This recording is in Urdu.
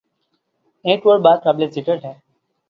ایک اور بات قابل ذکر ہے۔